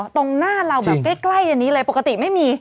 ตรงหน้าเราแบบใกล้อันนี้เลยปกติไม่มี